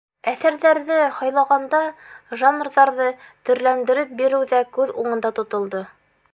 Әҫәрҙәрҙе һайлағанда жанрҙарҙы төрләндереп биреү ҙә күҙ уңында тотолдо.